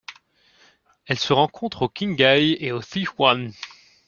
Elle se rencontre au Qinghai et au Sichuan.